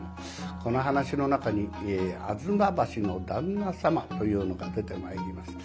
この噺の中に吾妻橋の旦那様というのが出てまいります。